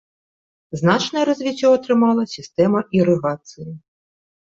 Значнае развіццё атрымала сістэма ірыгацыі.